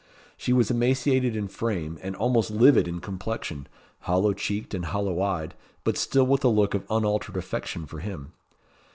She was emaciated in frame, and almost livid in complexion; hollow cheeked and hollow eyed; but still with a look of unaltered affection for him.